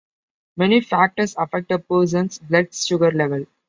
Many factors affect a person's blood sugar level.